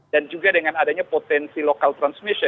dan juga dengan adanya potensi lokal transmisi